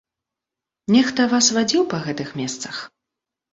Нехта вас вадзіў па гэтых месцах?